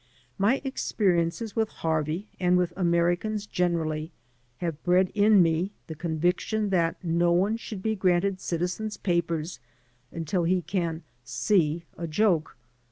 My experiences with Harvey and with Americans generally have bred in me the conviction that no one should be granted citizen's papers unless he can "see" 258 AN AMERICAN IN THE MAKING a joke.